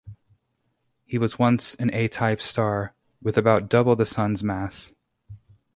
It was once an A-type star with about double the Sun's mass.